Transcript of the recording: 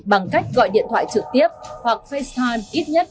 bên cạnh đó người dùng mạng xã hội